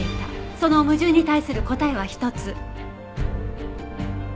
その矛盾に対する答えは一つ。